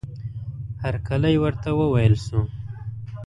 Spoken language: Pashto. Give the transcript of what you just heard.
هرکلی ورته وویل شو.